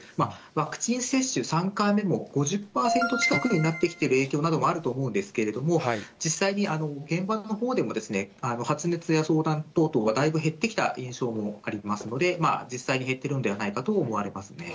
ワクチン接種３回目も、５０％近くになってきている影響などもあると思うんですけれども、実際に現場のほうでも、発熱や相談等々がだいぶ減ってきた印象もありますので、実際に減ってるんではないかと思われますね。